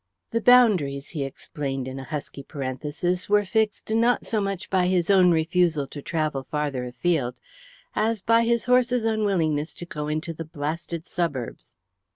The boundaries, he explained in a husky parenthesis, were fixed not so much by his own refusal to travel farther afield as by his horse's unwillingness to go into the blasted suburbs.